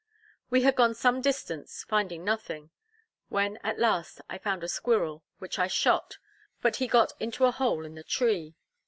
We had gone some distance, finding nothing; when at last, I found a squirrel; which I shot, but he got into a hole in the tree.